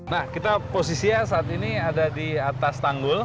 nah kita posisinya saat ini ada di atas tanggul